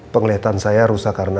penglihatan saya rusak karena